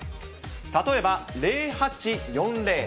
例えば０８４０。